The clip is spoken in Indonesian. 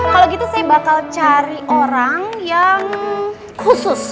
kalau gitu saya bakal cari orang yang khusus